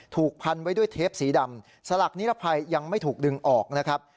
ถูกพันไว้ด้วยเทปสีดำสลักนิรภัยยังไม่ถูกดึงออกนะครับ